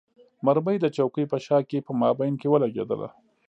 مرمۍ د چوکۍ په شا کې په مابین کې ولګېده.